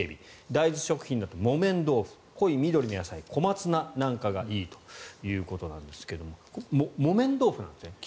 大豆食品だと木綿豆腐濃い緑の野菜、小松菜なんかがいいということなんですが木綿豆腐なんですね。